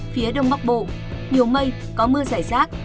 phía đông bắc bộ nhiều mây có mưa rải rác